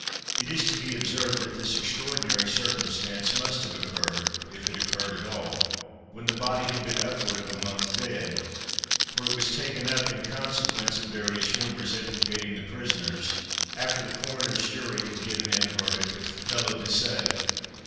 It is to be observed, that this extraordinary circumstance must have occurred, if it occurred at all, when the body had been upward of a month dead; for it was taken up in consequence of various rumors implicating the prisoners, after the coroner's jury had given in a verdict of felo de se.